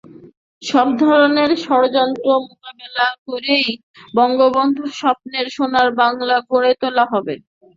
সব ধরনের ষড়যন্ত্র মোকাবিলা করেই বঙ্গবন্ধুর স্বপ্নের সোনার বাংলা গড়ে তোলা হবে।